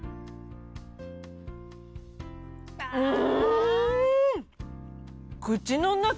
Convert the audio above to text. うん！